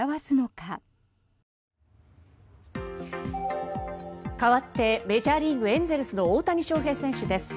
かわってメジャーリーグ、エンゼルスの大谷翔平選手です。